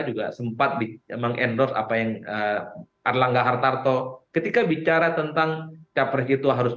juga sempat di meng endorse apa yang arlangga hartarto ketika bicara tentang capres itu harus